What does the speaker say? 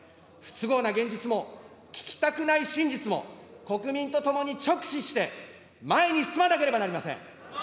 不都合な現実も、聞きたくない真実も、国民とともに直視して、前に進まなければなりません。